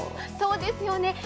そうですよね。